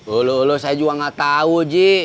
ulu ulu saya juga gak tau ji